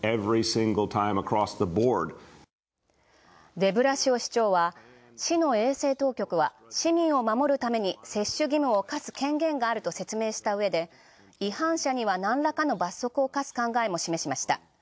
デブラシオ市長は市の衛生当局は市民を守るために接種義務を課す権限があると違反者にはなんらかの罰則を考えも示した。